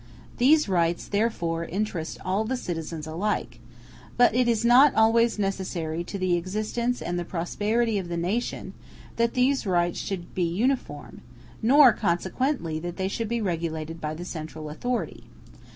These rights therefore interest all the citizens alike; but it is not always necessary to the existence and the prosperity of the nation that these rights should be uniform, nor, consequently, that they should be regulated by the central authority.